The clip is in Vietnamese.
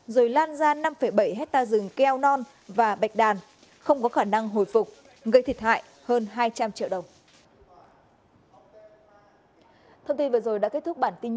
rồi lan ra năm bảy hectare rừng keo non và bạch đàn không có khả năng hồi phục gây thiệt hại hơn hai trăm linh triệu đồng